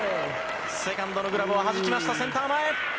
セカンドのグラブをはじきました、センター前。